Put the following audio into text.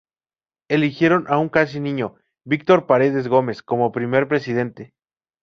Eligieron a un casi niño, Víctor Paredes Gómez, como primer presidente.